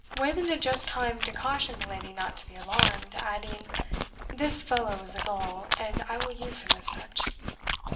Wayland had just time to caution the lady not to be alarmed, adding, "This fellow is a gull, and I will use him as such."